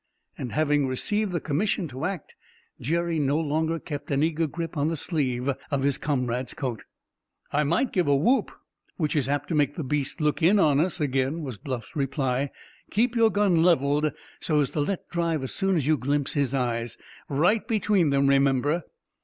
And, having received the commission to act, Jerry no longer kept an eager grip on the sleeve of his comrade's coat. "I might give a whoop, which is apt to make the beast look in on us again," was Bluff's reply. "Keep your gun leveled, so as to let drive as soon as you glimpse his eyes. Right between them, remember."